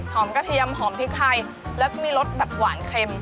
กระเทียมหอมพริกไทยแล้วก็มีรสแบบหวานเค็ม